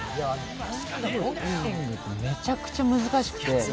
ボクシングってめちゃくちゃ難しくて。